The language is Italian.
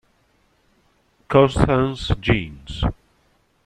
Constance Jeans